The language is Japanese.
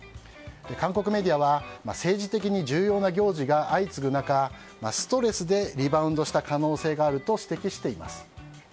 韓国メディアは政治的に重要な行事が相次ぐ中ストレスで、リバウンドした可能性があると指摘しています。